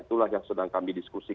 itulah yang sedang kami diskusi